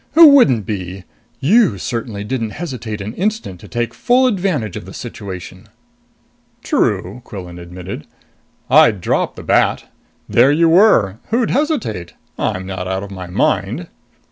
"Who wouldn't be? You certainly didn't hesitate an instant to take full advantage of the situation!" "True," Quillan admitted. "I'd dropped the bat. There you were. Who'd hesitate? I'm not out of my mind."